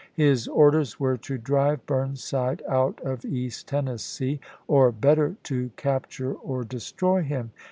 His orders were to " drive Burnside out of East Tennessee, or, better, to capture or destroy him."